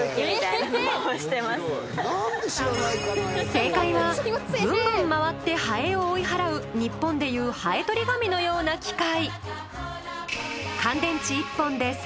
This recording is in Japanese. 正解はブンブン回ってハエを追い払う日本でいうハエ取り紙のような機械。